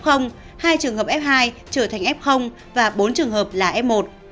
hai trường hợp f hai trở thành f và bốn trường hợp là f một